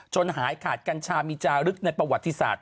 หายขาดกัญชามีจารึกในประวัติศาสตร์